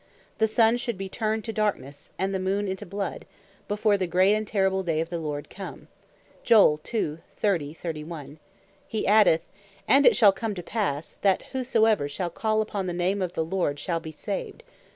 The Sun should be turned to darknesse, and the Moon into bloud, before the great and terrible day of the Lord come," he addeth verse 32. "and it shall come to passe, that whosoever shall call upon the name of the Lord, shall be saved.